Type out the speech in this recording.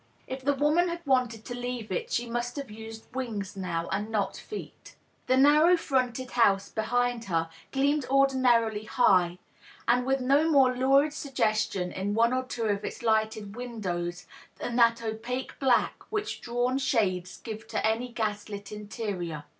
If the woman had wanted to leave it she must have used wings, now, and not feet. The narrow fronted house behind her gleamed ordinarily high, and with no more lurid suggestion in one or two of its lighted windows than that opaque blank which drawn shades give to any gas lit interior.